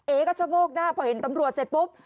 ก็ชะโงกหน้าพอเห็นตำรวจเสร็จปุ๊บ